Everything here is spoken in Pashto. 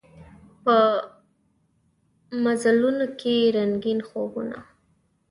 په مزلونوکې رنګین خوبونه